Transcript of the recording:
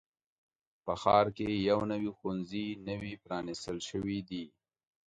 په ښار کې یو نوي ښوونځی نوی پرانیستل شوی دی.